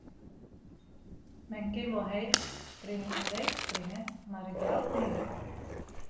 Men kin wol heech springe en leech springe, mar it jout neat.